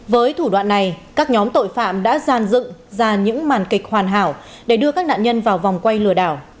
với thủ đoạn này các nhóm tội phạm đã gian dựng ra những màn kịch hoàn hảo để đưa các nạn nhân vào vòng quay lừa đảo